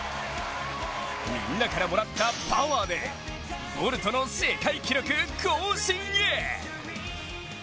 みんなからもらったパワーでボルトの世界記録更新へ！